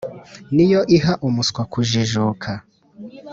Ni yo iha umuswa kujijuka,